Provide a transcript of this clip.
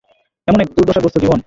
এমন এক দুর্দশাগ্রস্ত জীবন।